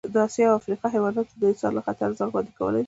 د اسیا او افریقا حیواناتو د انسان له خطره ځان خوندي کولی شو.